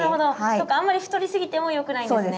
そっかあんまり太りすぎてもよくないんですね。